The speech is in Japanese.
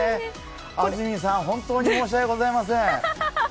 安住さん、本当に申し訳ございません。